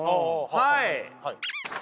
はい。